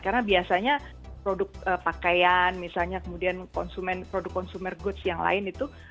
karena biasanya produk pakaian misalnya kemudian konsumen produk konsumen goods yang lain itu